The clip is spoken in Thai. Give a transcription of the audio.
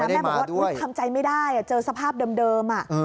ไม่ได้มาด้วยแม่บอกว่าทำใจไม่ได้เจอสภาพเดิมอะ